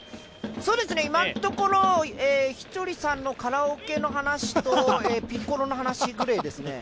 今のところ、稀哲さんのカラオケの話とピッコロの話ぐれえですね。